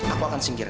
aku akan singkirkan